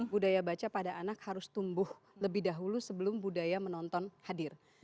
budaya baca pada anak harus tumbuh lebih dahulu sebelum budaya menonton hadir